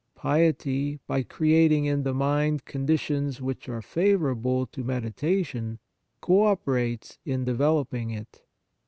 Piety, by creating in the mind condi tions which are favourable to medita tion, co operates in developing it.